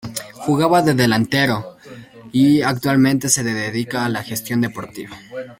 Jugaba de delantero y actualmente se dedica a la Gestión Deportiva.